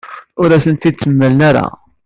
Ur as-tent-id-temla ara.